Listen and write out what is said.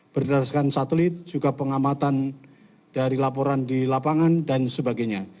berdasarkan satelit juga pengamatan dari laporan di lapangan dan sebagainya